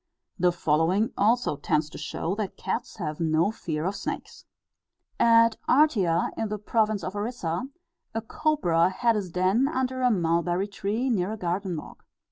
The following also tends to show that cats have no fear of snakes: "At Artea, in the province of Orissa, a cobra had his den under a mulberry tree, near a garden walk.